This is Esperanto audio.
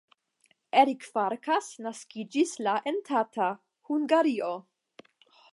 Erik Farkas naskiĝis la en Tata (Hungario).